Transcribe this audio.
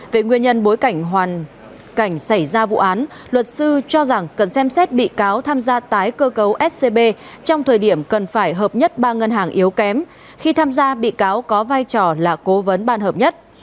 về nguyên nhân bối cảnh hoàn cảnh xảy ra vụ án luật sư cho rằng cần xem xét bị cáo tham gia tái cơ cấu scb trong thời điểm cần phải hợp nhất ba ngân hàng yếu kém khi tham gia bị cáo có vai trò là cố vấn ban hợp nhất